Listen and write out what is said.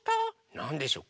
なんでしょう？